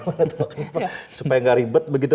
mungkin ada pertanyaan seperti ini